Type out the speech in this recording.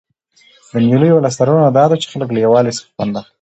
د مېلو یوه لاسته راوړنه دا ده، چي خلک له یووالي څخه خوند اخلي.